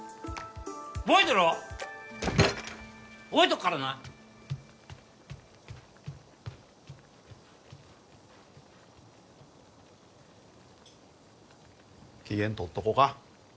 覚えてろ覚えとくからな機嫌とっとこか？